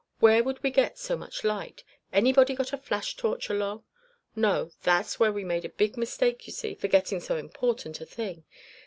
Where would we get so much light? Anybody got a flash torch along? No, that's where we made a big mistake, you see, forgettin' so important a thing.